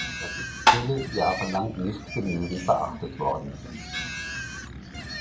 Das ist viele Jahre lang nicht genügend beachtet worden.